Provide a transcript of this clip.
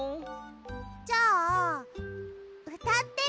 じゃあうたってみる？